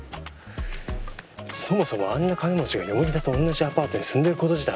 そもそもあんな金持ちが田と同じアパートに住んでること自体